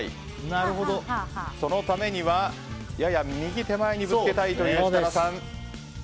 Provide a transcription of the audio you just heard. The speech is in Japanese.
そのためにはやや右手前にぶつけたいという設楽さん。